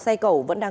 xin chào các bạn